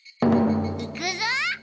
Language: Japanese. いくぞ！